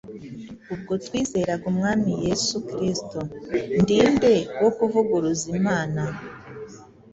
ubwo twizeraga Umwami Yesu Kristo, ndi nde wo kuvuguruza Imana